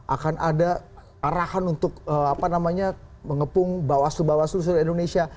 akan ada arahan untuk mengepung bawah sul bawah seluruh indonesia